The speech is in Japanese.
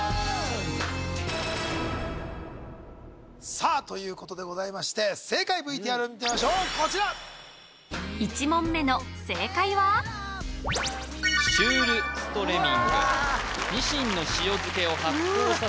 さあということでございまして正解ＶＴＲ見てみましょうこちら１問目の正解はシュールストレミングニシンの塩漬けを発酵させた缶詰です